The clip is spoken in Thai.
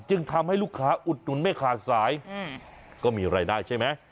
ทำให้ลูกค้าอุดหนุนไม่ขาดสายก็มีรายได้ใช่ไหม